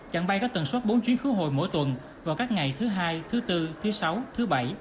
chẳng bay có tầng suất bốn chuyến khứa hồi mỗi tuần vào các ngày thứ hai thứ bốn thứ sáu thứ bảy